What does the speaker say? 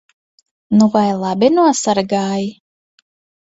Nu vai labi nosargāji?